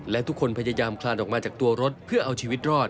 และทุกคนพยายามคลานออกมาจากตัวรถเพื่อเอาชีวิตรอด